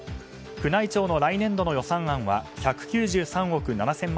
宮内庁の来年度の予算案は１９３億７０００万